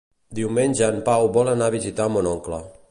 Diumenge en Pau vol anar a visitar mon oncle.